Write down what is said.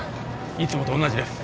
いつもと同じです